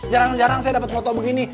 jarang jarang saya dapat foto begini